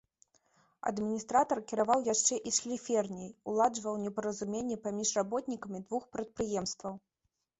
Адміністратар кіраваў яшчэ і шліферняй, уладжваў непаразуменні паміж работнікамі двух прадпрыемстваў.